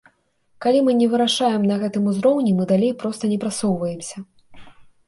Калі мы не вырашаем на гэтым узроўні, мы далей проста не прасоўваемся.